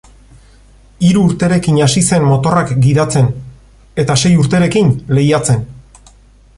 Hiru urterekin hasi zen motorrak gidatzen; eta sei urterekin, lehiatzen.